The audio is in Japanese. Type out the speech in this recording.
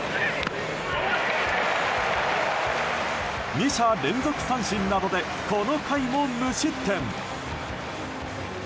２者連続三振などでこの回も無失点。